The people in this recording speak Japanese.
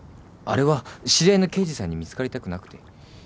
あれは知り合いの刑事さんに見つかりたくなくて。